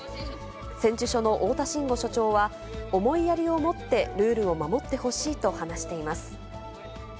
千住署の大田新吾署長は、思いやりを持ってルールを守ってほしいと話しています。